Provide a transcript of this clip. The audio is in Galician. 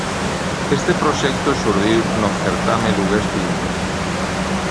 Este proxecto xurdiu no certame lugués Finde.